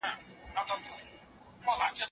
شرمنده به د پردیو مزدوران سي